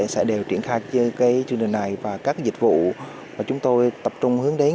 sẽ đều triển khai chương trình này và các dịch vụ mà chúng tôi tập trung hướng đến